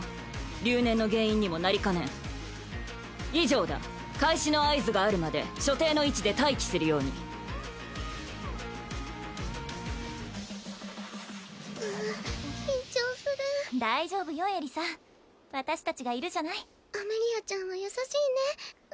留年の原因にもなりかねん以上だ開始の合図があるまで所定の位置で待機するようにうう緊張する大丈夫よエリサ私達がいるじゃないアメリアちゃんは優しいねう